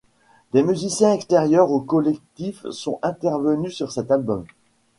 Des musiciens extérieurs au collectif sont intervenus sur cet album.